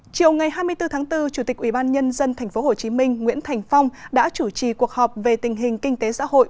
chiều ngày hai mươi bốn tháng bốn chủ tịch ubnd tp hcm nguyễn thành phong đã chủ trì cuộc họp về tình hình kinh tế xã hội